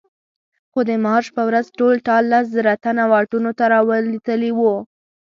خو د مارش په ورځ ټول ټال لس زره تنه واټونو ته راوتلي وو.